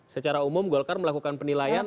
secara umum golkar melakukan penilaian